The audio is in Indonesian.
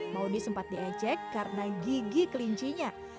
maudie sempat diejek karena gigi kelincinya